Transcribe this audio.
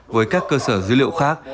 với các cơ sở dữ liệu khác